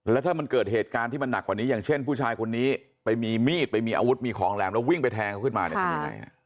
แล้วถ้ามันเกิดเหตุการณ์ที่มันหนักกว่านี้อย่างเช่นผู้ชายคนนี้ไปมีมีดไปมีอาวุธมีของแหลมแล้ววิ่งไปแทงเขาขึ้นมาเนี่ยทำยังไง